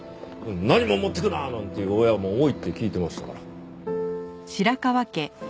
何も持っていくな！」なんて言う親も多いって聞いてましたから。